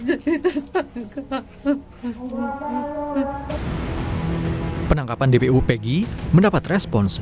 dan penangkapan dpu peggy mendapat respons dan penyelamatkan keadaan yang tidak berhasil